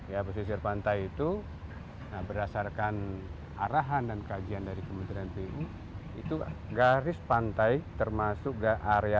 ya pesisir pantai itu berdasarkan arahan dan kajian dari kementerian pu itu garis pantai termasuk area